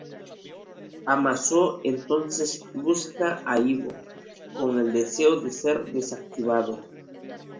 Amazo entonces busca a Ivo, con el deseo de ser desactivado.